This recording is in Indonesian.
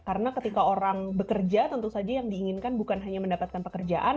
karena ketika orang bekerja tentu saja yang diinginkan bukan hanya mendapatkan pekerjaan